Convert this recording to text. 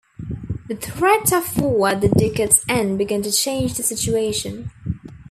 The threat of war at the decade's end began to change the situation.